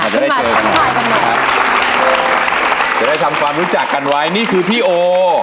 จะได้ทำความรู้จักกันไว้นี่คือพี่โอ